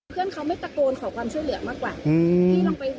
เพื่อนเขาไม่ตะโกนขอความช่วยเหลือมากกว่า